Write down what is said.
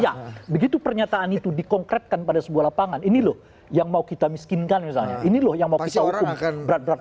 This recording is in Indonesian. ya begitu pernyataan itu dikonkretkan pada sebuah lapangan ini loh yang mau kita miskinkan misalnya ini loh yang mau kita hukum berat berat